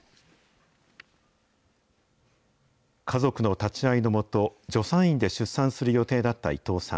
家族の立ち会いの下、助産院で出産する予定だった伊藤さん。